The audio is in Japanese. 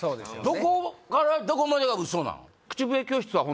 どこからどこまでがウソなん？